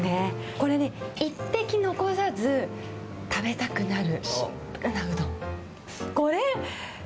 これね、一滴残さず食べたくなる、シンプルなうどん。